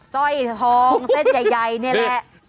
ซ่อยทองเศษใหญ่นี่แหละ